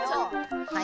はい。